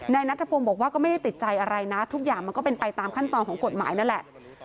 นัทธพงศ์บอกว่าก็ไม่ได้ติดใจอะไรนะทุกอย่างมันก็เป็นไปตามขั้นตอนของกฎหมายนั่นแหละ